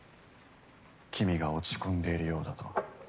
君が落ち込んでいるようだと。